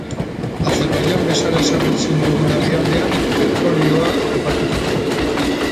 Azerbaijan bezala ezagutzen dugun herrialdean petrolioa topatu zuten.